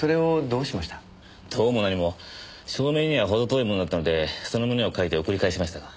どうも何も証明には程遠いものだったのでその旨を書いて送り返しましたが。